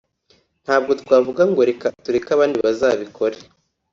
ntabwo twavuga ngo reka tureke abandi bazabikore